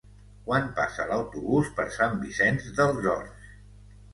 Quan passa l'autobús per Sant Vicenç dels Horts?